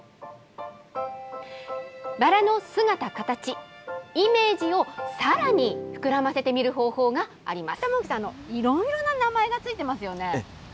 バラの姿かたち、イメージをさらに膨らませて見る方法があります。